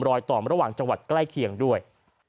ต่อระหว่างจังหวัดใกล้เคียงด้วย